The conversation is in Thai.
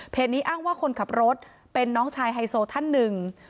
นี้อ้างว่าคนขับรถเป็นน้องชายไฮโซท่านหนึ่ง